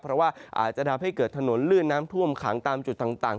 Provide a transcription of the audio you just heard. เพราะว่าอาจจะทำให้เกิดถนนลื่นน้ำท่วมขังตามจุดต่าง